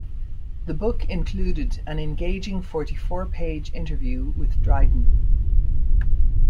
The book included an engaging forty-four-page interview with Dryden.